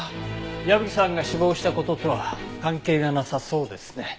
矢吹さんが死亡した事とは関係がなさそうですね。